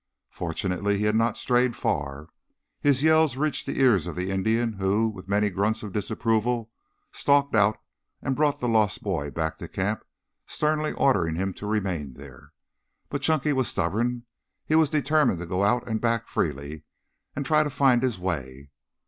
Fortunately he had not strayed far. His yells reached the ears of the Indian, who, with many grunts of disapproval, stalked out and brought the lost boy back to camp, sternly ordering him to remain there. But Chunky was stubborn. He was determined to go out and back freely and try to find his way.